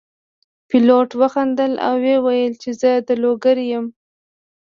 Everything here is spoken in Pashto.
پیلوټ وخندل او وویل چې زه د لوګر یم.